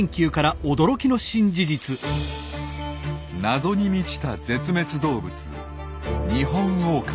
謎に満ちた絶滅動物ニホンオオカミ。